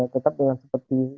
tetap dengan seperti